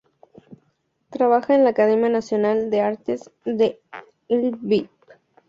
Trabaja en la Academia Nacional de Artes de Lviv.